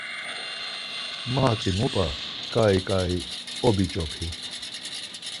Ma hatzi mu p̌a, ǩai ǩai obiç̌opi.